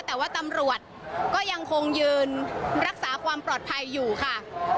แต่ว่าตำรวจก็ยังคงยืนรักษาความปลอดภัยอยู่ค่ะ